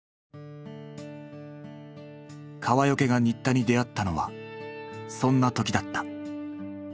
川除が新田に出会ったのはそんな時だった。